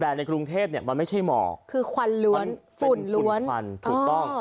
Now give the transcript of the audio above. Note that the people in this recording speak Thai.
แต่ในกรุงเทพเนี่ยมันไม่ใช่หมอกคือควันล้วนฝุ่นล้วนควันถูกต้อง